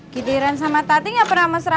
gideran sama tati nggak pernah mesra